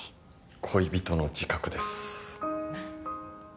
恋人の自覚です。